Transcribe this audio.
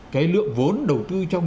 cái lượng vốn đầu tư trong